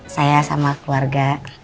saya sama keluarga